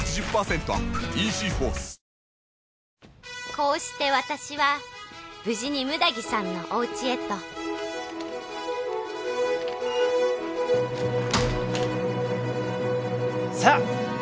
こうして私は無事に六田木さんのおうちへとさあ！